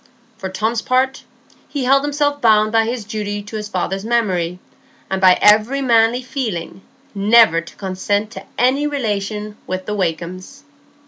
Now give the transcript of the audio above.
For Tom's part, he held himself bound by his duty to his father's memory, and by every manly feeling, never to consent to any relation with the Wakems."